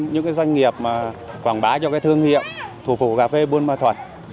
những doanh nghiệp quảng bá cho thương hiệu thủ phủ cà phê buôn bà thuật